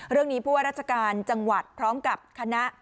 เรื่องนี้เพราะว่าราชการจังหวัดพร้อมกับคณะ